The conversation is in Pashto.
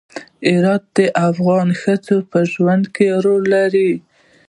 هرات د افغان ښځو په ژوند کې رول لري.